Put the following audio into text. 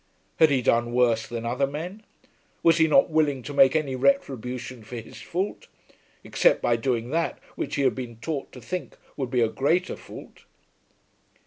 Had he done worse than other men? Was he not willing to make any retribution for his fault, except by doing that which he had been taught to think would be a greater fault?